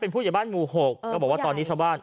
ผู้ใหญ่บ้านหมู่๖ก็บอกว่าตอนนี้ชาวบ้าน